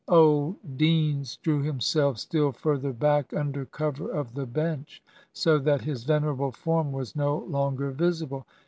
. Old Deans drew himself still further back under cover of the bench so that ... his venerable form was no longer visible.